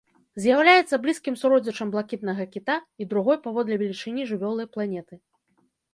З'яўляецца блізкім суродзічам блакітнага кіта і другой паводле велічыні жывёлай планеты.